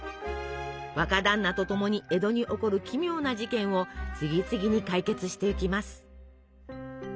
若だんなと共に江戸に起こる奇妙な事件を次々に解決していきます！